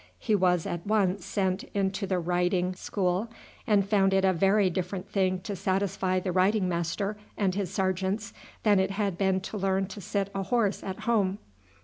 He was at once sent into the riding school, and he found it a very different thing to satisfy the riding master and his sergeants than it had been to learn to sit a horse at home.